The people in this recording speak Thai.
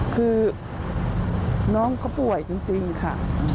คือน้องเขาป่วยจริงค่ะ